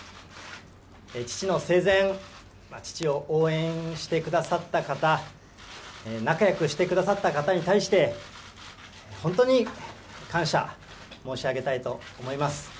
父の生前、父を応援してくださった方、仲よくしてくださった方に対して、本当に感謝申し上げたいと思います。